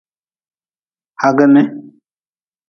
Hagni.